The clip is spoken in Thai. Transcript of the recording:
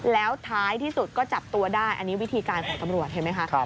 แล้วท้ายที่สุดก็จับตัวได้อันนี้วิธีการของตำรวจเห็นไหมคะ